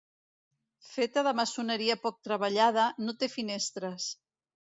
Feta de maçoneria poc treballada, no té finestres.